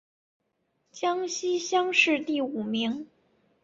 江西乡试第五名。